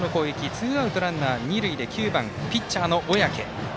ツーアウト、ランナー、二塁で９番、ピッチャーの小宅。